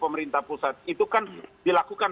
pemerintah pusat itu kan dilakukan